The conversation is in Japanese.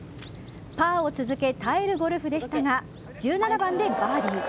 パーを続け耐えるゴルフでしたが１７番でバーディー。